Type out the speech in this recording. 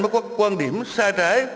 mất các quan điểm xa trái